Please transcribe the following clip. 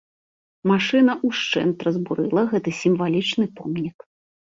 Машына ўшчэнт разбурыла гэты сімвалічны помнік.